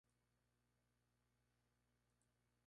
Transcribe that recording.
Sus padres lo llamaban "Ramu".